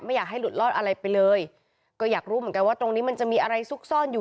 อยากให้หลุดรอดอะไรไปเลยก็อยากรู้เหมือนกันว่าตรงนี้มันจะมีอะไรซุกซ่อนอยู่